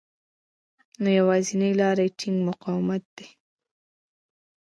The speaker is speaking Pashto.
نو يوازېنۍ لاره يې ټينګ مقاومت دی.